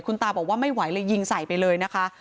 คุณตาบอกว่าไม่ไหวเลยยิงใส่ไปเลยนะคะ